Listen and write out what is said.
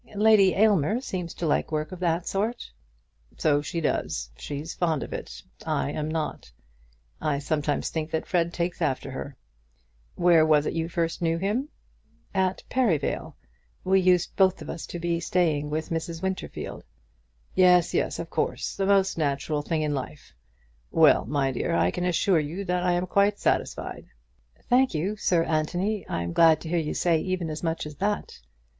"Lady Aylmer seems to like work of that sort." "So she does. She's fond of it, I am not. I sometimes think that Fred takes after her. Where was it you first knew him?" "At Perivale. We used, both of us, to be staying with Mrs. Winterfield." "Yes, yes; of course. The most natural thing in life. Well, my dear, I can assure you that I am quite satisfied." "Thank you, Sir Anthony. I'm glad to hear you say even as much as that."